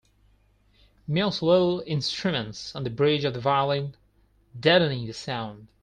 Mutes little instruments on the bridge of the violin, deadening the sound.